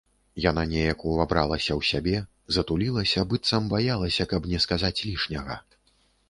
Яна неяк увабралася ў сябе, затулілася, быццам баялася, каб не сказаць лішняга.